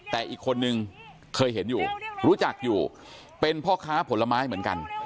แต่อีกคนนึงเคยเห็นอยู่รู้จักอยู่เป็นพ่อค้าผลไม้เหมือนกัน